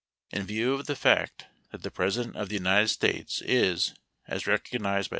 In view of the fact that the President of the United 8 States is, as recognized by S.